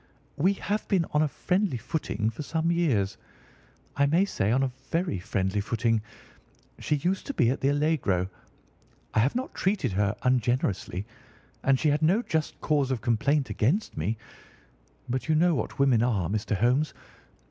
"We have been on a friendly footing for some years—I may say on a very friendly footing. She used to be at the Allegro. I have not treated her ungenerously, and she had no just cause of complaint against me, but you know what women are, Mr. Holmes.